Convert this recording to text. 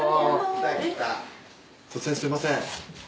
突然すみません。